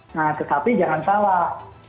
nah tetapi jangan salah